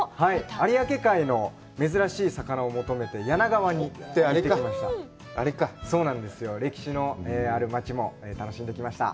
有明海の珍しい魚を求めて柳川に行って、歩いてきました。